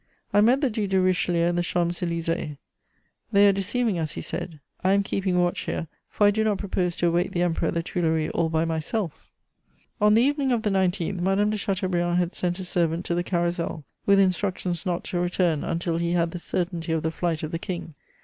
I met the Duc de Richelieu in the Champs Élysées: "They are deceiving us," he said; "I am keeping watch here, for I do not propose to await the Emperor at the Tuileries all by myself." [Sidenote: Flight of Louis XVIII.] On the evening of the 19th, Madame de Chateaubriand had sent a servant to the Carrousel, with instructions not to return until he had the certainty of the flight of the King.